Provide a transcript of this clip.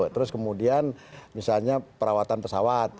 terus kemudian misalnya perawatan pesawat